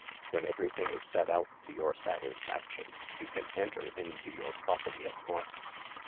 When everything is set out to your satisfaction, you can enter into your prop erty at once."